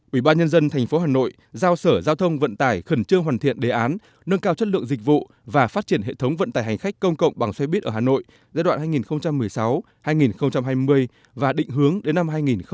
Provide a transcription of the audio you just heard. ủy ban nhân dân tp hà nội giao sở giao thông vận tải khẩn trương hoàn thiện đề án nâng cao chất lượng dịch vụ và phát triển hệ thống vận tải hành khách công cộng bằng xe buýt ở hà nội giai đoạn hai nghìn một mươi sáu hai nghìn hai mươi và định hướng đến năm hai nghìn ba mươi